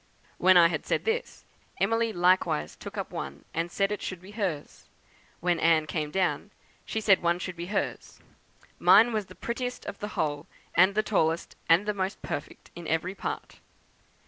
When I had said this, Emily likewise took up one and said it should be hers; when Anne came down, she said one should be hers. Mine was the prettiest of the whole, and the tallest, and the most perfect in every part.